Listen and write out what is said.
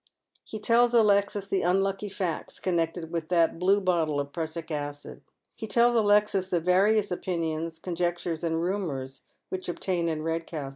He tells Alexis the unlucky facts connected with that blue bottle of prussic acid ; he tells Alexis the various opinions, ctm jectures, aod rumours which obtain in Eedcastle.